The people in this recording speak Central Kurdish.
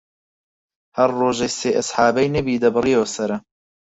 هەر ڕوژەی سێ ئەسحابەی نەبی دەبڕیەوە سەرە